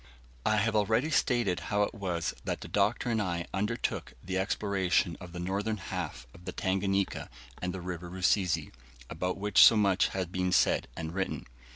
I have already stated how it was that the Doctor and I undertook the exploration of the northern half of the Tanganika and the River Rusizi, about which so much had been said and written.